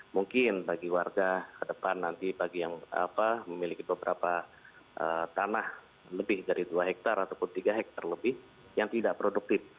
mungkin bagi warga ke depan nanti bagi yang memiliki beberapa tanah lebih dari dua hektare ataupun tiga hektare lebih yang tidak produktif